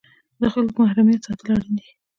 د خلکو محرمیت ساتل اړین دي؟